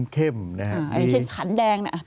เข้มนะครับ